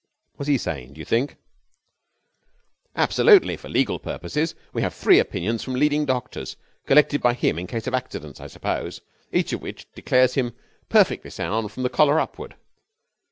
'Was he sane, do you think?' 'Absolutely, for legal purposes. We have three opinions from leading doctors collected by him in case of accidents, I suppose each of which declares him perfectly sound from the collar upward.